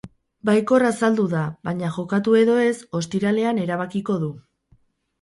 Baikor azaldu da baina jokatu edo ez ostiralean erabakiko du.